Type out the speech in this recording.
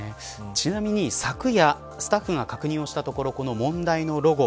ちなみに昨夜スタッフが確認をしたところこの問題のロゴ